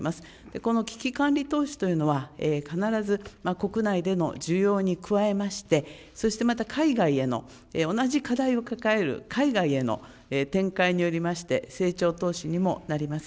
この危機管理投資というのは、必ず国内での需要に加えまして、そしてまた海外への、同じ課題を抱える海外への展開によりまして、成長投資にもなります。